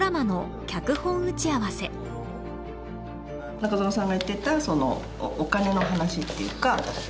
中園さんが言ってたそのお金の話っていうか。